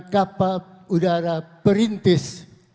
kapal udara perintis